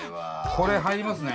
これ入りますね。